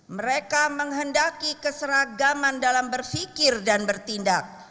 mereka menghendaki keseragaman dalam berpikir dan bertindak